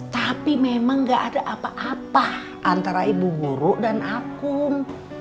tapi memang gak ada apa apa antara ibu guru dan akum